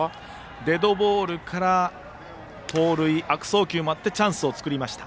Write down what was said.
デッドボールから、盗塁悪送球もあってチャンスを作りました。